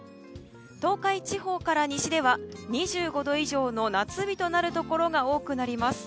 東海地方から西では２５度以上の夏日となるところが多くなります。